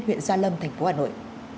huyện gia lâm thành phố hà nội